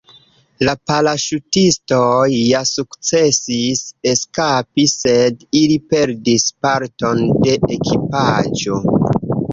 La paraŝutistoj ja sukcesis eskapi, sed ili perdis parton de ekipaĵo.